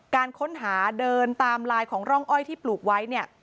การค้นหาเดินตามลายของร่องอ้อยที่ปลูกไว้เนี่ย